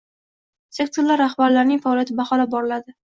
Sektorlar rahbarlarining faoliyati baholanib boriladi